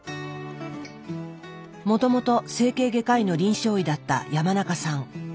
もともと整形外科医の臨床医だった山中さん。